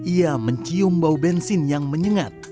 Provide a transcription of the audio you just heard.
ia mencium bau bensin yang menyengat